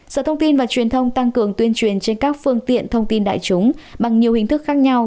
sở thông tin và truyền thông tăng cường tuyên truyền trên các phương tiện thông tin đại chúng bằng nhiều hình thức khác nhau